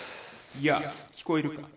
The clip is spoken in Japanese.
「やあ聞こえるか？